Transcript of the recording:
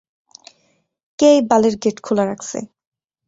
কে এই বালের গেট খোলা রাখছে?